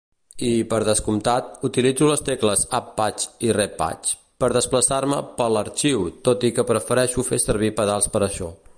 I, per descomptat, utilitzo les tecles Av pàg i Re pàg per desplaçar-me pel arxiu, tot i que prefereixo fer servir pedals per això.